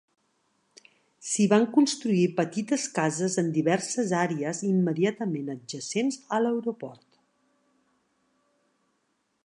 S'hi van construir petites cases en diverses àrees immediatament adjacents a l'aeroport.